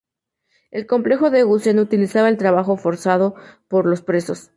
En el complejo de Gusen se utilizaba el trabajo forzado de los presos.